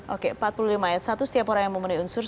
oke empat puluh lima ayat satu setiap orang yang memenuhi unsur